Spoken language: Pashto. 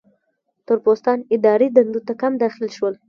تور پوستان اداري دندو ته کم داخل شول.